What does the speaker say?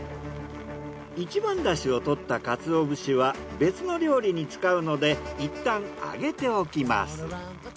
一番ダシをとった鰹節は別の料理に使うのでいったんあげておきます。